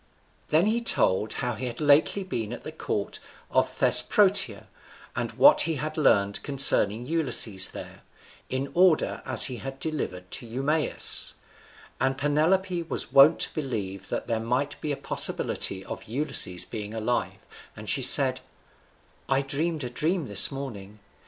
Then told he how he had lately been at the court of Thesprotia, and what he had learned concerning Ulysses there, in order as he had delivered to Eumaeus; and Penelope was wont to believe that there might be a possibility of Ulysses being alive, and she said, "I dreamed a dream this morning.